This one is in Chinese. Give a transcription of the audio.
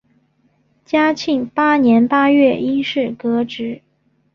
嘉庆八年八月因事革职。